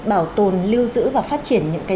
bảo tồn lưu giữ và phát triển những cái